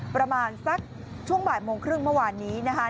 ประมาณสักช่วงบ่ายโมงครึ่งเมื่อวานนี้นะคะ